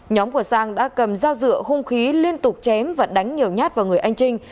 nhóm của sang đã cầm dao dựa hung khí liên tục chém và đánh nhiều nhát vào người anh trinh